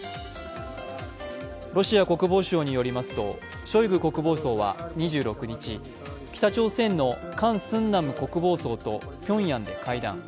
ロシア国防省によりますと、ショイグ国防相は２６日北朝鮮のカン・スンナム国防相とピョンヤンで会談。